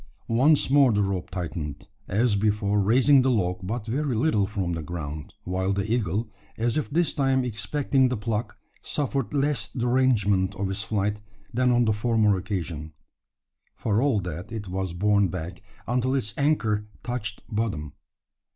Once more the rope tightened as before raising the log but very little from the ground while the eagle, as if this time expecting the pluck, suffered less derangement of its flight than on the former occasion. For all that, it was borne back, until its anchor "touched bottom."